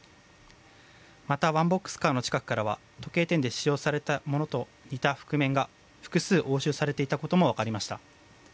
また、ワンボックスカーの近くからは時計店で使用されていた仮面が複数押収されていたこともわかりました。